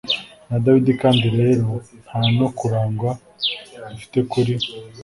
na dawidi kandi rero nta no kuragwa dufite kuri